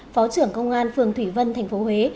phó trưởng công an phường thủy vân tp huế